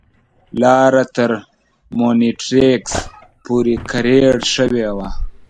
لاره تر مونیټریکس پورې کریړ شوې وه.